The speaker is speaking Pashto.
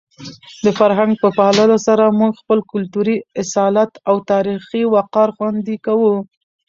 د فرهنګ په پاللو سره موږ خپل کلتوري اصالت او تاریخي وقار خوندي کوو.